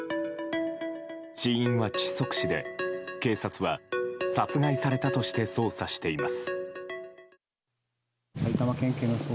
死因は窒息死で警察は、殺害されたとして捜査しています。